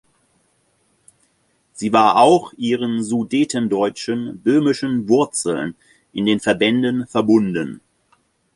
Sie war auch ihren sudetendeutschen böhmischen Wurzeln in den Verbänden verbunden.